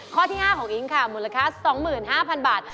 ข้อที่๕ของอิ๊งค่ะมูลค่า๒๕๐๐๐บาท